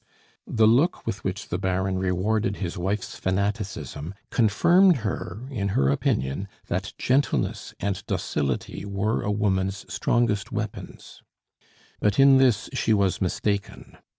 The look with which the Baron rewarded his wife's fanaticism confirmed her in her opinion that gentleness and docility were a woman's strongest weapons. But in this she was mistaken.